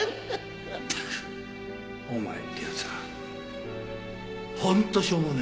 ったくお前って奴は本当しょうもねえな。